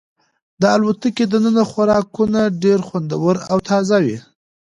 د الوتکې دننه خوراکونه ډېر خوندور او تازه وو.